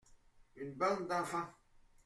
Une bande d’enfants.